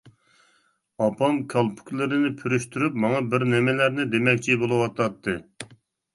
ئاپام كالپۇكلىرىنى پۈرۈشتۈرۈپ ماڭا بىر نېمىلەرنى دېمەكچى بولۇۋاتاتتى.